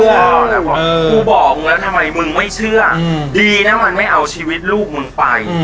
บอกกูบอกมึงแล้วทำไมมึงไม่เชื่อดีนะมันไม่เอาชีวิตลูกมึงไป